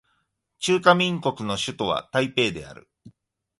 中華民国の首都は台北である